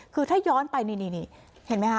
คือถ้าย้อนไปนี่เห็นไหมคะ